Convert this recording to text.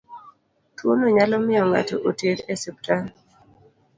Tuono nyalo miyo ng'ato oter e osiptal.